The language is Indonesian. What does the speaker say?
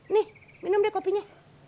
nih minum deh kopinya